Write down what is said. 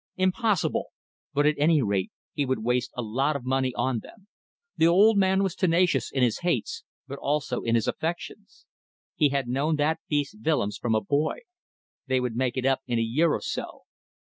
Impossible. But at any rate he would waste a lot of money on them. The old man was tenacious in his hates, but also in his affections. He had known that beast Willems from a boy. They would make it up in a year or so.